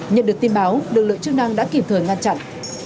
nhận được tin báo lực lượng chức năng đã kịp thời ngăn chặn